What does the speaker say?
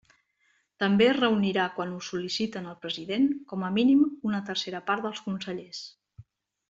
També es reunirà quan ho sol·liciten al president, com a mínim, una tercera part dels consellers.